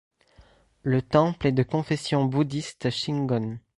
Le temple est de confession bouddhiste shingon.